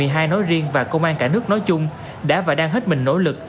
công an quận một mươi hai nói riêng và công an cả nước nói chung đã và đang hết mình nỗ lực